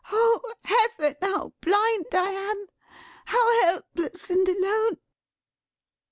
Oh Heaven, how blind I am! How helpless and alone!"